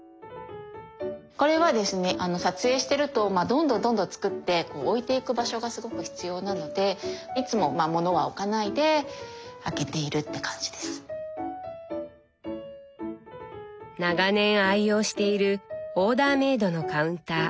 これはですね撮影してるとどんどんどんどん作って置いていく場所がすごく必要なので長年愛用しているオーダーメードのカウンター。